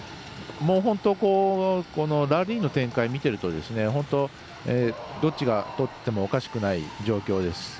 本当このラリーの展開見てるとどっちがとってもおかしくない状況です。